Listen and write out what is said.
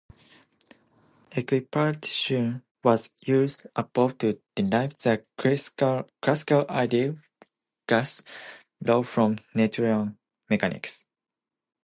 Equipartition was used above to derive the classical ideal gas law from Newtonian mechanics.